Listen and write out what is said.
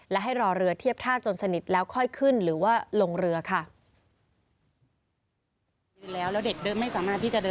และให้รอเรือเทียบท่าจนสนิทแล้วค่อยขึ้นหรือว่าลงเรือค่ะ